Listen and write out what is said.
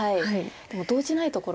でも動じないところ。